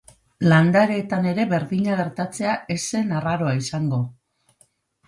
Landareetan ere berdina gertatzea ez zen arraroa izango.